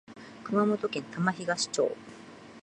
熊本県玉東町